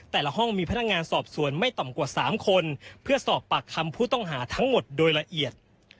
ห้องมีพนักงานสอบสวนไม่ต่ำกว่า๓คนเพื่อสอบปากคำผู้ต้องหาทั้งหมดโดยละเอียด